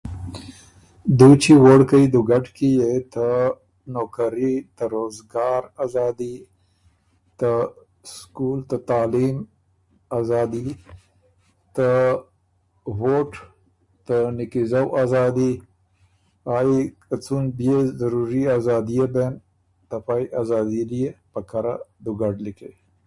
موږ وويل چې ورځ ښه ده، خو ورځ دومره ښه نه وه لکه څنګه چې موږ ويل.